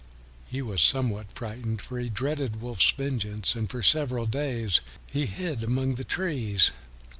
He was somewhat frightened, for he dreaded Wolf's vengeance, and for several days he hid among the trees.